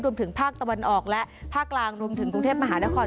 รวมถึงภาคตะวันออกและภาคกลางรวมถึงกรุงเทพมหานคร